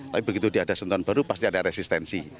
tapi begitu di hadas sentuhan baru pasti ada resistensi